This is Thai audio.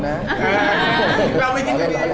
หมายความหลายหรอกนะ